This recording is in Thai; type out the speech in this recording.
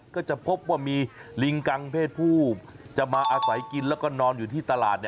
ก็จะพบว่ามีลิงกังเพศผู้จะมาอาศัยกินแล้วก็นอนอยู่ที่ตลาด